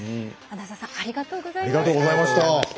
穴澤さんありがとうございました。